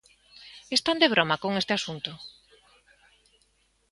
¿Están de broma con este asunto?